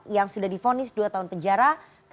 yang sudah difonis dua tahun penjara